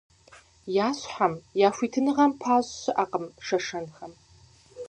Я щхьэм, я хуитыныгъэм пащӏ щыӏакъым шэшэнхэм.